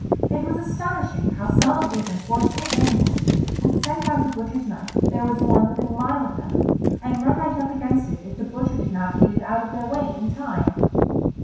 It was astonishing how some of these unfortunate animals would scent out a butcher's knife if there was one within a mile of them, and run right up against it if the butcher did not get it out of their way in time.